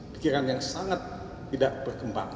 pikiran yang sangat tidak berkembang